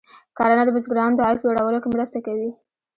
کرنه د بزګرانو د عاید لوړولو کې مرسته کوي.